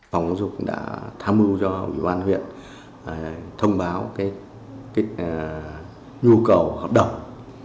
phòng giáo dục đã tham mưu cho ủy ban huyện thông báo nhu cầu hợp đồng